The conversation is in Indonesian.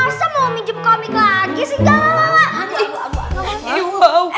masa mau minjem komik lagi sih enggak enggak enggak